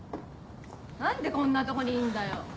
何でこんなとこにいんだよ！